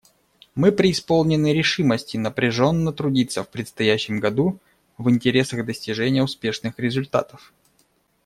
Мы преисполнены решимости напряженно трудиться в предстоящем году в интересах достижения успешных результатов.